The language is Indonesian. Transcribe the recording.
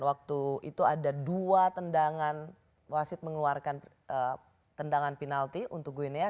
waktu itu ada dua tendangan wasit mengeluarkan tendangan penalti untuk gwennya